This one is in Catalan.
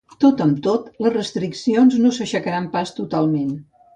Tot amb tot, les restriccions no s’aixecaran pas totalment.